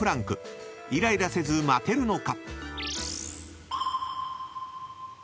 ［イライラせず待てるのか？］